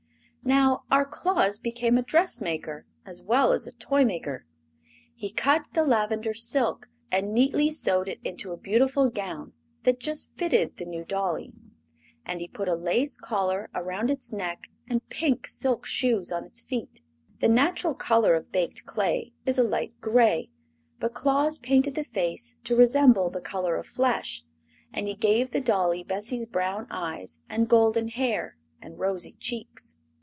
Now our Claus became a dressmaker as well as a toymaker. He cut the lavender silk, and neaty sewed it into a beautiful gown that just fitted the new dolly. And he put a lace collar around its neck and pink silk shoes on its feet. The natural color of baked clay is a light gray, but Claus painted the face to resemble the color of flesh, and he gave the dolly Bessie's brown eyes and golden hair and rosy cheeks.